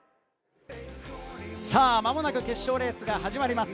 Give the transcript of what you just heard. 間もなく決勝レースが始まります。